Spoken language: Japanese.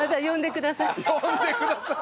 「呼んでください」。